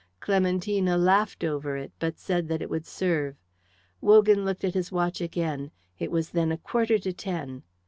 Clementina laughed over it, but said that it would serve. Wogan looked at his watch again. It was then a quarter to ten.